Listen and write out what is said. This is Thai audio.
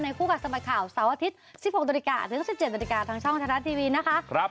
ในคู่กับสมัยข่าวเสาร์อาทิตย์๑๖ตรถึง๑๗ตรทางช่องธนาทีวีนะคะ